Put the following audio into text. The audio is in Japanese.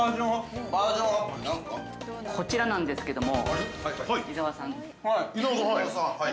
こちらなんですけども、伊沢さん。